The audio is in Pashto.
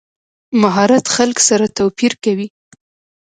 مهارت خلک سره توپیر کوي.